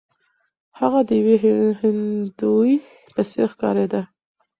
هغه د یوې هندوې په څیر ښکاریده.